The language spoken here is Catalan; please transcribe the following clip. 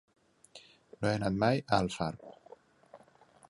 No he anat mai a Alfarb.